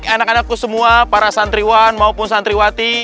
anak anakku semua para santriwan maupun santriwati